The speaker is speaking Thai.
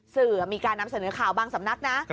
สื่อมีการนำเสนอข่าวบางสำนักนะ